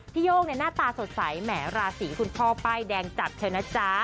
พี่โย่งหน้าตาสดใสแหมระสีคุณพ่อป้ายแดงจัดเธอน่ะจ๊ะ